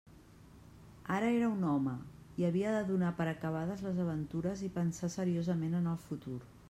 Ara era un home i havia de donar per acabades les aventures i pensar seriosament en el futur.